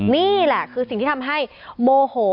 นี่แหละคือสิ่งที่ทำให้โมโห